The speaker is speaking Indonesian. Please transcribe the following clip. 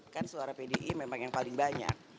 kan suara pdi memang yang paling banyak